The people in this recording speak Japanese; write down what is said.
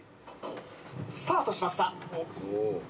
スタートしました。